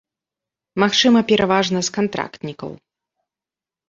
Магчыма, пераважна з кантрактнікаў.